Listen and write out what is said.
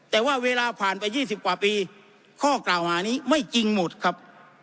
แต่ว่าเวลาผ่านไป๒๐กว่าปีข้อกล่าวหานี้ไม่จริงหมดครับ